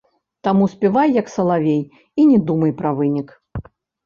Таму спявай, як салавей, і не думай пра вынік.